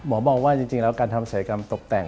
มองว่าจริงแล้วการทำศัยกรรมตกแต่ง